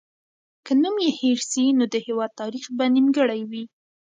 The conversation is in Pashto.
که نوم یې هېر سي، نو د هېواد تاریخ به نیمګړی وي.